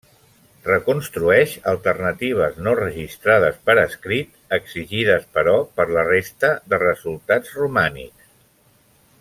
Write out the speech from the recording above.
Reconstrueix alternatives no registrades per escrit, exigides però per la resta de resultats romànics.